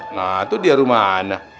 nah tuh dia rumana